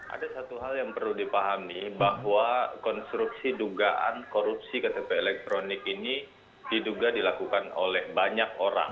ada satu hal yang perlu dipahami bahwa konstruksi dugaan korupsi ktp elektronik ini diduga dilakukan oleh banyak orang